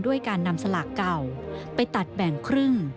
การนำสลากเก่าไปตัดแบ่งครึ่ง